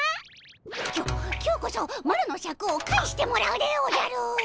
きょ今日こそマロのシャクを返してもらうでおじゃる！